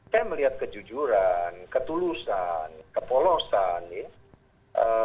saya melihat kejujuran ketulusan kepolosan ya